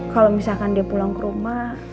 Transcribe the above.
kalau misalkan dia pulang ke rumah